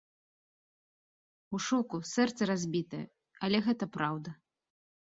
У шоку, сэрца разбітае, але гэта праўда.